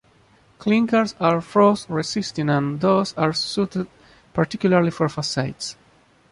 Clinkers are frost resisting and, thus are suited particularly for facades.